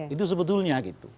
itu sebetulnya gitu